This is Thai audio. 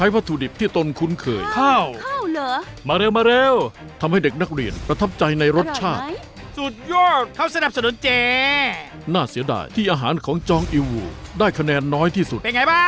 เป็นแผนแนนน้อยที่สุด